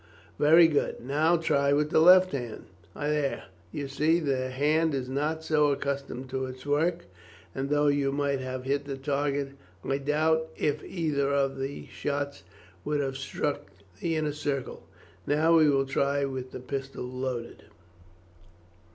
Very good! Now try with the left hand. There, you see, that hand is not so accustomed to its work, and though you might have hit the target, I doubt if either of the shots would have struck the inner circle. Now we will try with the pistol loaded."